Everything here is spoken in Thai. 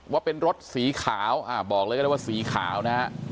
ว่าเป็นรถสีขาวบอกเลยก็ได้ว่าสีขาวนะฮะ